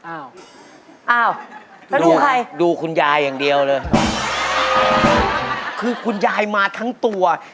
อ้าวอ้าวดูใครดูคุณยายอย่างเดียวเลยคือคุณยายมาทั้งตัว